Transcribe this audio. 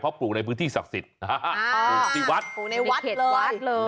เพราะปลูกในพื้นที่ศักดิ์สิทธิ์ภูที่วัดปริเผศวัดเลย